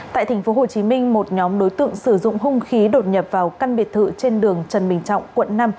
tại tp hcm một nhóm đối tượng sử dụng hung khí đột nhập vào căn biệt thự trên đường trần bình trọng quận năm